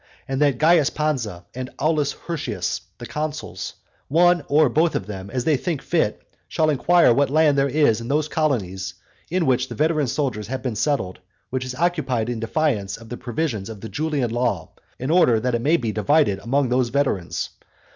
And that Caius Pansa and Aulus Hirtius the consuls, one or both of them, as they think fit, shall inquire what land there is in those colonies in which the veteran soldiers have been settled, which is occupied in defiance of the provisions of the Julian law, in order that that may be divided among these veterans.